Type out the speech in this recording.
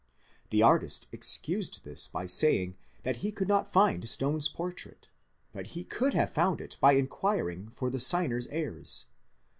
The artist excused this by saying that he could not find Stone's portrait, — but he could have found it by inquiring for the signer's heirs.